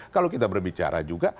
kalau kita berbicara juga